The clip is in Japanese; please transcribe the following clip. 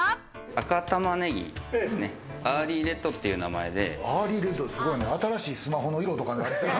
赤玉ねぎですね、アーリーレッドという名前で。